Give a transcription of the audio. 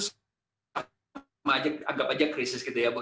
sama aja anggap aja krisis gitu ya